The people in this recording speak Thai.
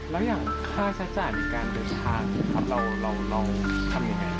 แล้วอย่างค่าใช้จ่ายในการเดินทางครับเราเราเราทำยังไงครับ